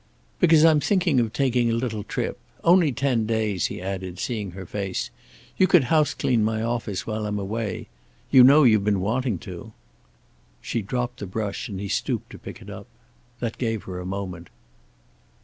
"Because I'm thinking of taking a little trip. Only ten days," he added, seeing her face. "You could house clean my office while I'm away. You know you've been wanting to." She dropped the brush, and he stooped to pick it up. That gave her a moment.